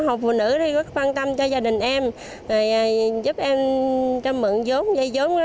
hộp phụ nữ rất quan tâm cho gia đình em giúp em trăm mượn vốn dây vốn